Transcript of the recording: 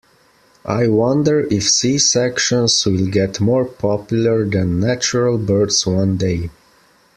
I wonder if C-sections will get more popular than natural births one day.